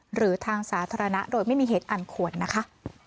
หรือทางสาธารณะโดยไม่มีเหตุอันควรนะคะ